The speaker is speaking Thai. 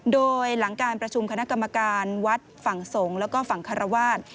โดยหลังการประชุมคณะกรรมการวัดฝั่งสงฆ์แล้วก็ฝั่งคารวาส